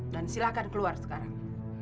dan silahkan keluar sekarang